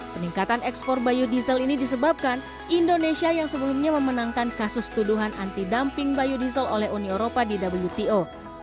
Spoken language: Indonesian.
peningkatan ekspor biodiesel ini disebabkan indonesia yang sebelumnya memenangkan kasus tuduhan anti dumping biodiesel oleh uni eropa di wto